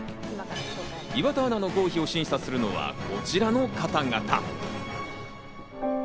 岩田アナの合否を審査するのは、こちらの方々。